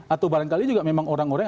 atau barangkali juga memang orang orang